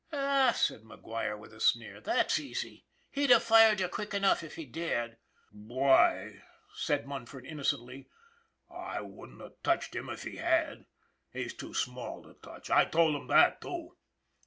" Aw," said McGuire, with a sneer, " that's easy. He'd have fired you quick enough if he dared." " Why," said Munford innocently. " I wouldn't have touched him if he had. He's too small to touch I told him that, too."